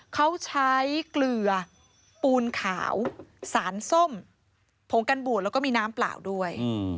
เขาใช้เกลือปูนขาวสารส้มผงกันบูดแล้วก็มีน้ำเปล่าด้วย